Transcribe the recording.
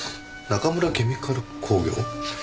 「中村ケミカル工業」？